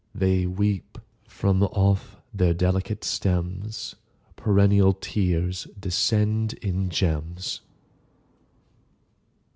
They weep:—from off their delicate stems Perennial tears descend in gems.